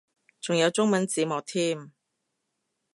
仲有中文字幕添